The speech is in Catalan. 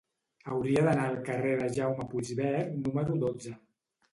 Hauria d'anar al carrer de Jaume Puigvert número dotze.